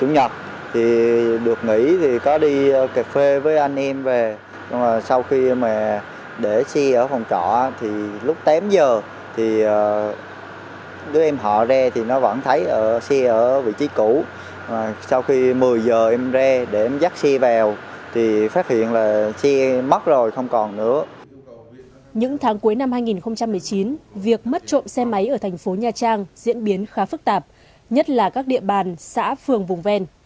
những tháng cuối năm hai nghìn một mươi chín việc mất trộm xe máy ở thành phố nha trang diễn biến khá phức tạp nhất là các địa bàn xã phường vùng ven